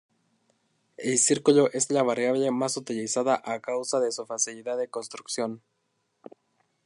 El círculo es la variable más utilizada a causa de su facilidad de construcción.